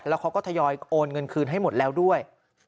แล้วเขาก็ทยอยโอนเงินคืนให้หมดแล้วด้วย